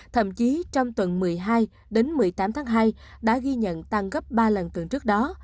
thậm chí trong tuần một mươi hai đến một mươi tám tháng hai đã ghi nhận tăng gấp ba lần tuần trước đó